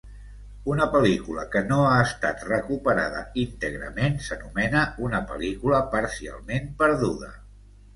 Una pel·lícula que no ha estat recuperada íntegrament s'anomena una pel·lícula parcialment perduda.